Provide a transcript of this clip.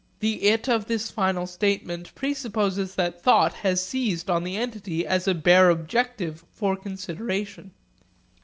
The 'it' of this final statement presupposes that thought has seized on the entity as a bare objective for consideration.